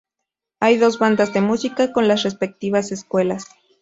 Hay dos bandas de música con las respectivas escuelas.